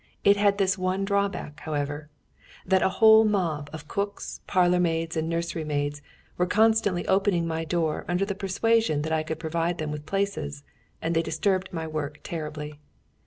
It had this one drawback, however, that a whole mob of cooks, parlour maids, and nursery maids were constantly opening my door under the persuasion that I could provide them with places, and they disturbed my work terribly.